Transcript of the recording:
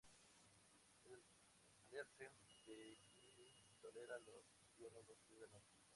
El alerce de Gmelin tolera los inviernos más fríos al norte.